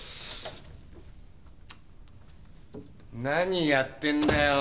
何やってんだよ